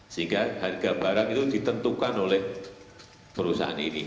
sehingga harga barang itu ditentukan oleh perusahaan ini